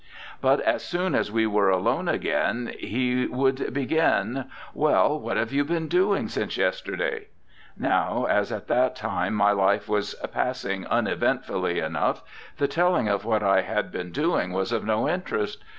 But as soon as we were alone again he would begin, 'Well, what have you been doing since yesterday?' Now, as at that time my life was passing uneventfully enough, the telling of what I had been doing was of no interest.